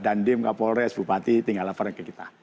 dan dem kak polres bupati tinggal laporan ke kita